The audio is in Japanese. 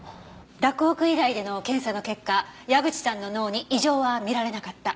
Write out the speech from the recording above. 洛北医大での検査の結果矢口さんの脳に異常は見られなかった。